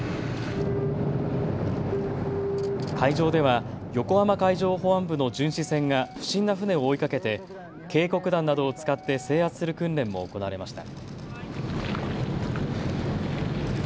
海上では横浜海上保安部の巡視船が不審な船を追いかけて警告弾などを使って制圧する訓練も行われました。